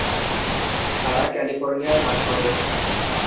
তাঁরা ক্যালিফোর্নিয়ায় বাস করেন।